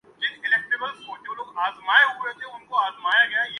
جو ہونا ہوتاہےوہ ہو کر رہتا ہے